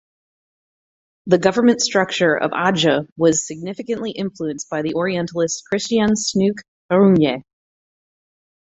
The government structure of Atjeh was significantly influenced by the Orientalist Christiaan Snouck Hurgronje.